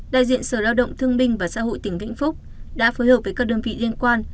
đại diện sở lao động thương minh và xã hội tỉnh vĩnh phúc đã phối hợp với các đơn vị liên quan